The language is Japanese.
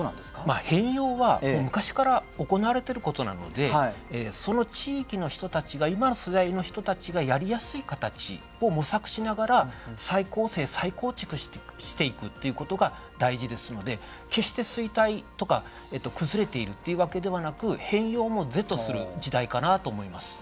まあ変容は昔から行われてることなのでその地域の人たちが今の世代の人たちがやりやすい形を模索しながら再構成再構築していくっていうことが大事ですので決して衰退とか崩れているっていうわけではなく変容も是とする時代かなと思います。